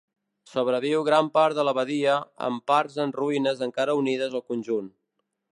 Sobreviu gran part de l'abadia, amb parts en ruïnes encara unides al conjunt.